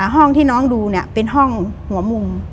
ห้องที่น้องดูเป็นห้องหัวมุม